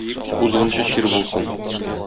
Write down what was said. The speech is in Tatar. Узгынчы чир булсын.